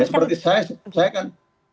ya seperti saya kan